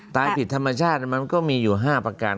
ผิดธรรมชาติมันก็มีอยู่๕ประการ